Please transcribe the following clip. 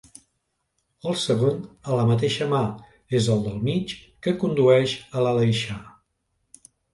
El segon a la mateixa mà, és el del Mig, que condueix a l'Aleixar.